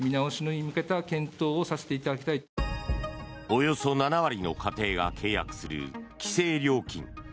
およそ７割の家庭が契約する規制料金。